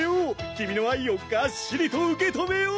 君の愛をがっしりと受け止めよう！